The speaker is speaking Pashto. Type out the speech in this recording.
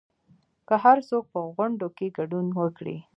که هرڅوک په غونډو کې ګډون وکړي